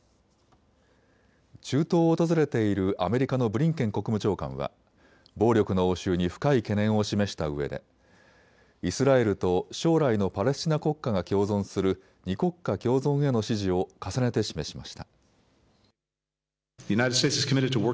中東を訪れているアメリカのブリンケン国務長官は暴力の応酬に深い懸念を示したうえで、イスラエルと将来のパレスチナ国家が共存する２国家共存への支持を重ねて示しました。